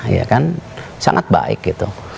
ya kan sangat baik gitu